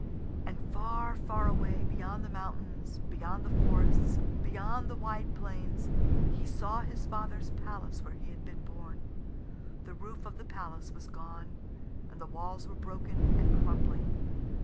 And far, far away, beyond the mountains, beyond the forests, beyond the wide plains, he saw his father's palace where he had been born. The roof of the palace was gone, and the walls were broken and crumbling.